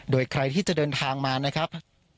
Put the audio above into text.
โดยใครที่จะเดินทางมานะครับ